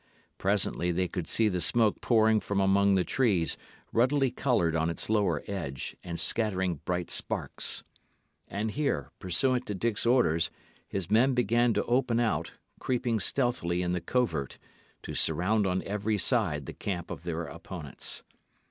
Presently they could see the smoke pouring from among the trees, ruddily coloured on its lower edge and scattering bright sparks. And here, pursuant to Dick's orders, his men began to open out, creeping stealthily in the covert, to surround on every side the camp of their opponents.